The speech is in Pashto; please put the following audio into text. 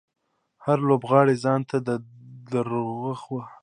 هر لوبغاړی ځانته د دروغجنو وعدو او غير عملي نقشونه.